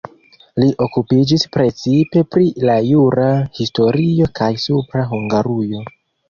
Li okupiĝis precipe pri la jura historio kaj Supra Hungarujo.